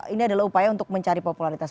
ini adalah upaya untuk mencari popularitas